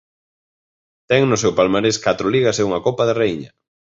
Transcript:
Ten no seu palmarés catro Ligas e unha Copa da Raíña.